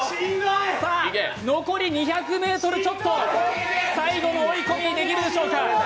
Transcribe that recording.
残り２００ｍちょっと、最後の追い込みができるでしょうか？